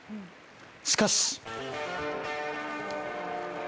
しかし！